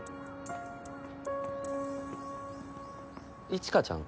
一華ちゃん？